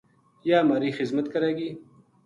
یاہ مھاری خزمت کرے گی